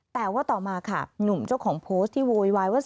แต่ว่าต่อมาค่ะหนุ่มเจ้าของโพสต์ที่โวยวายว่า